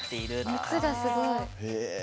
熱がすごい！